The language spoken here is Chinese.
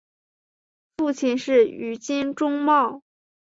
父亲是宇津忠茂。